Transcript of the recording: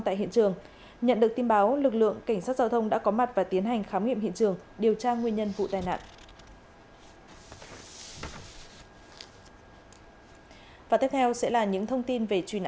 tại hiện trường nhận được tin báo lực lượng cảnh sát giao thông đã có mặt và tiến hành